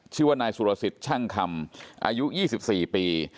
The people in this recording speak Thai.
ชื่อว่านายสุรสิทธิ์ช่างคำอายุ๒๔ปี